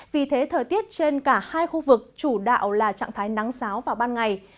vì thế thời tiết trên cả hai khu vực chủ đạo là trạng thái nắng sáo vào ban ngày